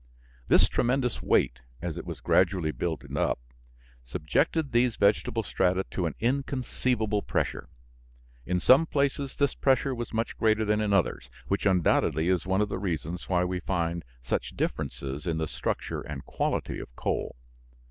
This tremendous weight, as it was gradually builded up, subjected these vegetable strata to an inconceivable pressure. In some places this pressure was much greater than in others, which undoubtedly is one of the reasons why we find such differences in the structure and quality of coal.